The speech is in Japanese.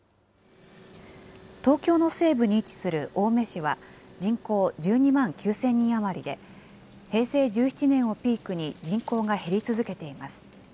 東京の西部に位置する青梅市は、人口１２万９０００人余りで、平成１７年をピークに人口が減り続けています。